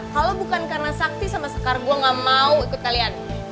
kalau bukan karena sakti sama sekar gue gak mau ikut kalian